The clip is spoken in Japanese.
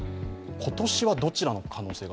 今年はどちらの可能性が？